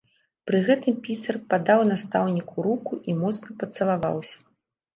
Пры гэтым пісар падаў настаўніку руку і моцна пацалаваўся.